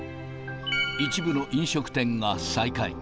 一部の飲食店が再開。